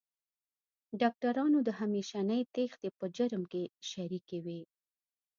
ډاکټرانو د همېشنۍ تېښتې په جرم کې شریکې وې.